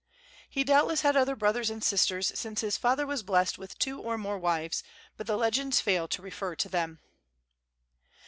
He doubtless had other brothers and sisters, since his father was blessed with two or more wives, but the legends fail to refer to them.